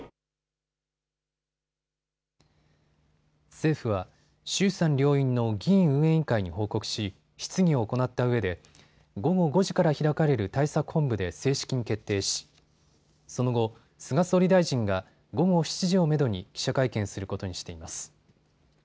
政府は衆参両院の議院運営委員会に報告し、質疑を行ったうえで午後５時から開かれる対策本部で正式に決定し、その後、菅総理大臣が午後７時をめどに記者会見することにしています。